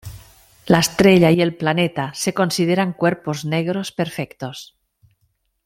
La estrella y el planeta se consideran cuerpos negros perfectos.